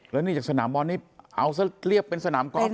แล้วนี่จากสนามบอลนี่เอาซะเรียบเป็นสนามกอล์